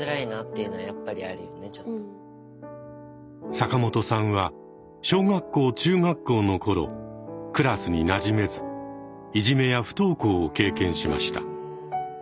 坂本さんは小学校中学校の頃クラスになじめずいじめや不登校を経験しました。